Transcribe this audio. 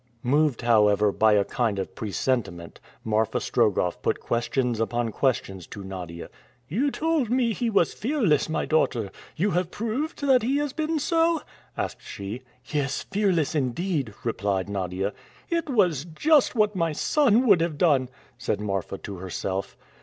Moved, however, by a kind of presentiment, Marfa Strogoff put questions upon questions to Nadia. "You told me he was fearless, my daughter. You have proved that he has been so?" asked she. "Yes, fearless indeed!" replied Nadia. "It was just what my son would have done," said Marfa to herself.